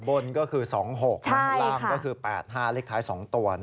บนก็คือ๒๖ล่างก็คือ๘๕เลขท้าย๒ตัว